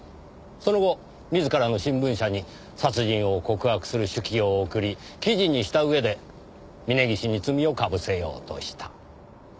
その後自らの新聞社に殺人を告白する手記を送り記事にしたうえで峰岸に罪を被せようとした。